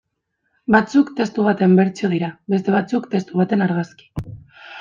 Batzuk testu baten bertsio dira, beste batzuk testu baten argazki.